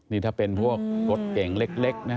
นี่ถ้าเป็นพวกรถเก่งเล็กนะ